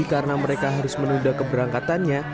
karena mereka harus menunda keberangkatannya